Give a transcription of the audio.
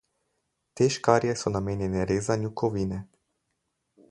Te škarje so namenjene rezanju kovine.